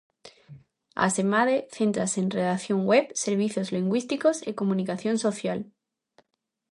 Asemade, céntrase en redacción web, servizos lingüísticos e comunicación social.